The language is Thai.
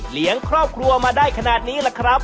เลี้ยงครอบครัวมาได้ขนาดนี้ล่ะครับ